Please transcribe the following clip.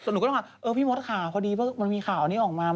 หนูก็ต้องมาเออพี่มดข่าวพอดีเพราะมันมีข่าวนี้ออกมา